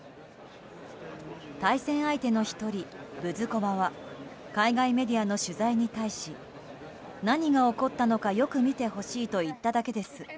対戦相手の１人ブズコバは海外メディアの取材に対し何が起こったのかよく見てほしいと言っただけです。